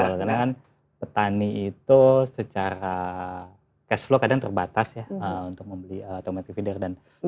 karena kan petani itu secara cash flow kadang terbatas ya untuk membeli automatic feeder dan terjual